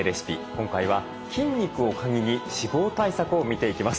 今回は筋肉をカギに脂肪対策を見ていきます。